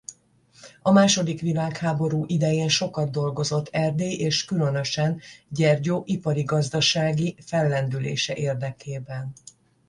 A második világháború idején sokat dolgozott Erdély és különösen Gyergyó ipari-gazdasági fellendülése érdekében.